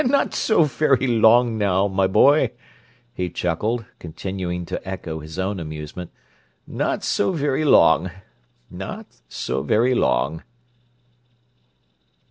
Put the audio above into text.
"Not so very long now, my boy!" he chuckled, continuing to echo his own amusement. "Not so very long. Not so very long!"